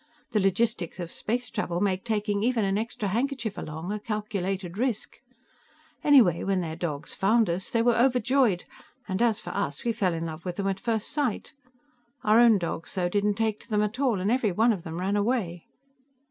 The logistics of space travel make taking even an extra handkerchief along a calculated risk. Anyway, when their dogs 'found' us, they were overjoyed, and as for us, we fell in love with them at first sight. Our own dogs, though, didn't take to them at all, and every one of them ran away."